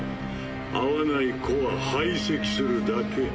合わない個は排斥するだけ。